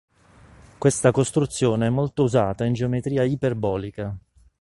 Questa costruzione è molto usata in geometria iperbolica.